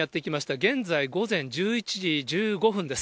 現在午前１１時１５分です。